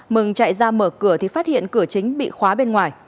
mừng chạy ra mở cửa thì phát hiện cửa chính bị khóa bên ngoài